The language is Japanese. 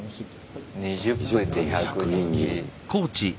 ２０分で１００人斬り。